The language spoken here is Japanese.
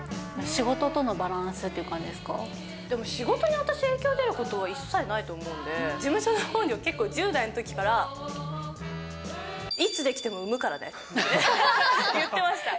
仕事とのバランスっていう感でも仕事に私、影響出ることは一切ないと思うんで、事務所のほうにも結構１０代のときから、いつ出来ても産むからねって言ってました。